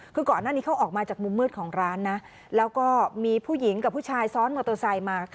คือก่อนหน้านี้เขาออกมาจากมุมมืดของร้านนะแล้วก็มีผู้หญิงกับผู้ชายซ้อนมอเตอร์ไซค์มา